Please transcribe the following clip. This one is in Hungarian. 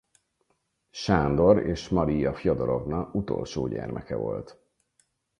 Sándor és Marija Fjodorovna utolsó gyermeke volt.